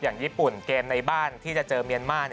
อย่างญี่ปุ่นเกมในบ้านที่จะเจอเมียนมาร์